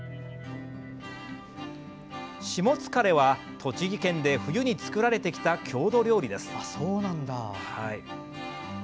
しもつかれは栃木県で冬に作られてきた郷土料理です。